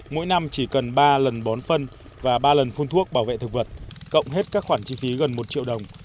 mỗi năm chỉ cần ba lần bón phân và ba lần phun thuốc bảo vệ thực vật cộng hết các khoản chi phí gần một triệu đồng